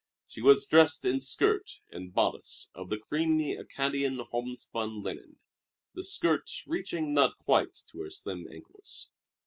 She was dressed in skirt and bodice of the creamy Acadian homespun linen, the skirt reaching not quite to her slim ankles.